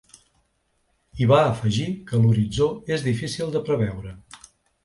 I va afegir que l’horitzó és difícil de preveure.